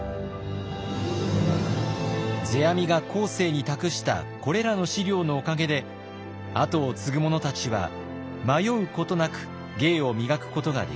世阿弥が後世に託したこれらの資料のおかげで後を継ぐ者たちは迷うことなく芸を磨くことができました。